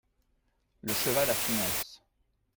Le Cheval à Phynances.